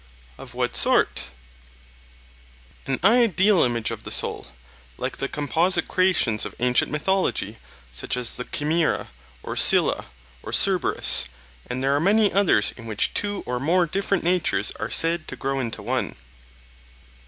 Of what sort? An ideal image of the soul, like the composite creations of ancient mythology, such as the Chimera or Scylla or Cerberus, and there are many others in which two or more different natures are said to grow into one.